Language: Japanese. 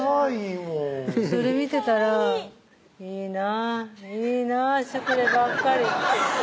それ見てたら「いいないいなシュクレばっかり」